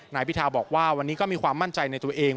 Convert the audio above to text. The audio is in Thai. นายพิธาบอกว่าวันนี้ก็มีความมั่นใจในตัวเอง